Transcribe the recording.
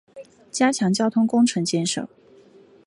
加强交通工程建设